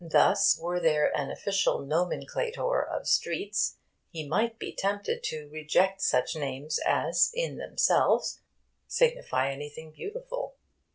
Thus, were there an official nomenclator of streets, he might be tempted to reject such names as in themselves signify anything beautiful.